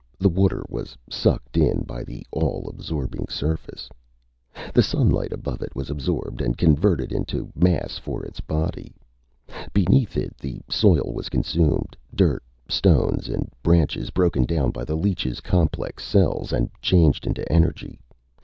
The water was sucked in by the all absorbing surface. The sunlight above it was absorbed, and converted into mass for its body. Beneath it, the soil was consumed, dirt, stones and branches broken down by the leech's complex cells and changed into energy.